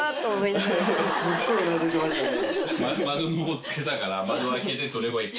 すっごいうなずいてましたね。